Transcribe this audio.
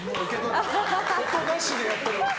音なしでやってる。